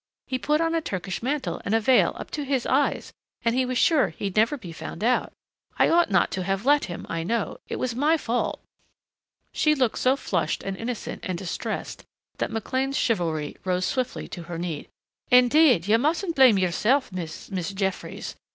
He put on a Turkish mantle and a veil up to his eyes and he was sure he'd never be found out. I ought not to have let him, I know it was my fault " She looked so flushed and innocent and distressed that McLean's chivalry rose swiftly to her need. "Indeed you mustn't blame yourself Miss Miss Jeffries.